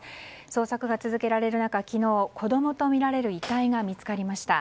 捜索が続けられる中昨日、子供とみられる遺体が見つかりました。